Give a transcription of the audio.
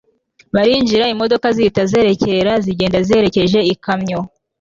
barinjira imodoka zihita zerekera zigenda ziherekeje ikamyo